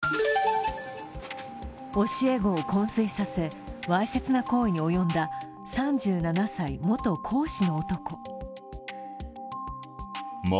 教え子をこん睡させわいせつな行為に及んだ３７歳元講師の男。